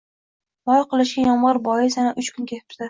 Loy qilishga yomg'ir bois yana uch kun ketibdi